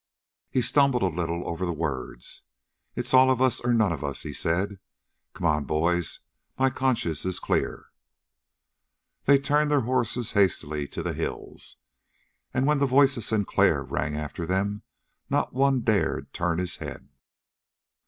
He stumbled a little over the words. "It's all of us or none of us," he said. "Come on, boys. My conscience is clear!" They turned their horses hastily to the hills, and, when the voice of Sinclair rang after them, not one dared turn his head.